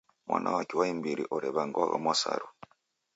Mwana wake wa imbiri orew'angwagha Mwasaru.